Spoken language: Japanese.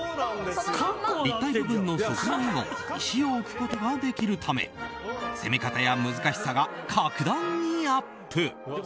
立体部分の側面にも石を置くことができるため攻め方や難しさが格段にアップ。